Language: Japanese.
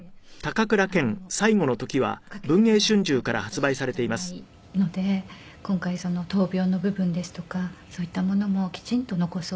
書けるのは多分私しかいないので今回闘病の部分ですとかそういったものもきちんと残そうと。